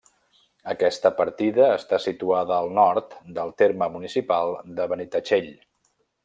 Aquesta partida està situada al nord del terme municipal de Benitatxell.